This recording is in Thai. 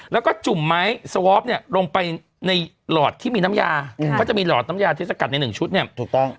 แล้วก็จุ่มไม้สวอปเนี่ยลงไปในหลอดที่มีน้ำยาเขาจะมีหลอดน้ำยาที่สกัดในหนึ่งชุดเนี่ยถูกต้อง